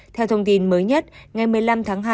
theo thông tin mới nhất ngày một mươi năm tháng hai